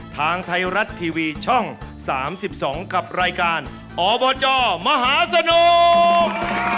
ทางไทยรัฐทีวีช่อง๓๒กับรายการอบจมหาสนุก